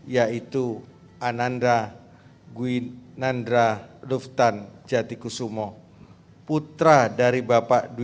yaitu ananda gwinandra lufthansa tikusumo putra dari bapak dan ibu